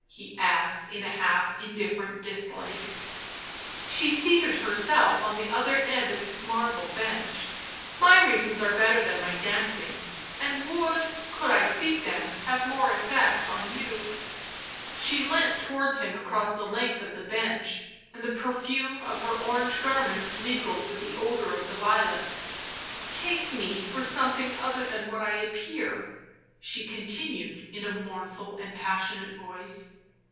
he asked in a half indifferent dislike. She seated herself on the other end of his marble bench. " My reasons are better than my dancing, and would., could I speak them, have more effect on you." Digitized by UNIVERSITY OF MICHIGAN Original from UNIVERSITY OF MICHIGAN 204 BLACK MAGIC She leant towards him across the length of the bench, and the perfume of her orange garments mingled with the odour of the violets. " Take me for something other than what I appear," she continued, in a mourn ful and passionate voice.